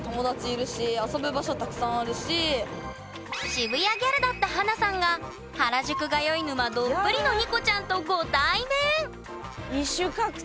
渋谷ギャルだった華さんが原宿通い沼どっぷりのＮＩＣＯちゃんとご対面！